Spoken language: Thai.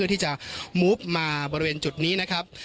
ที่จะมุบมาบริเวณจุดนี้นะครับ